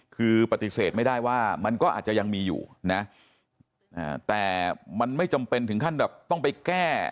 คือปฏิเสธไม่ได้ว่ามันก็อาจจะยังมีอยู่นะแต่มันไม่จำเป็นถึงขั้นแบบต้องไปแก้